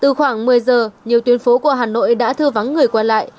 từ khoảng một mươi giờ nhiều tuyên phố của hà nội đã thư vắng người quen lại